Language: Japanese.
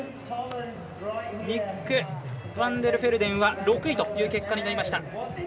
ニック・ファンデルフェルデンは６位という結果になりました。